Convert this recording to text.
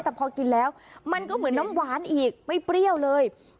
แต่พอกินแล้วมันก็เหมือนน้ำหวานอีกไม่เปรี้ยวเลย